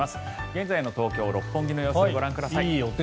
現在の東京・六本木の様子ご覧ください。